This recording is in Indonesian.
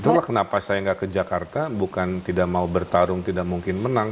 itu lah kenapa saya gak ke jakarta bukan tidak mau bertarung tidak mungkin menang